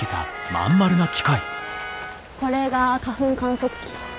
これが花粉観測器。